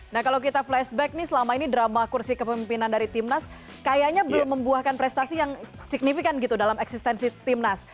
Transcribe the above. nah kalau kita flashback nih selama ini drama kursi kepemimpinan dari timnas kayaknya belum membuahkan prestasi yang signifikan gitu dalam eksistensi timnas